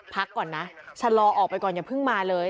พักก่อนนะชะลอออกไปก่อนอย่าเพิ่งมาเลย